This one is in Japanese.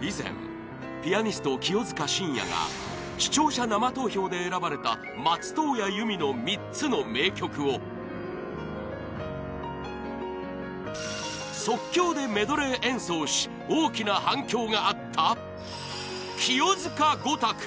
以前、ピアニスト清塚信也が視聴者生投票で選ばれた松任谷由実の３つの名曲を即興でメドレー演奏し大きな反響があった清塚５択！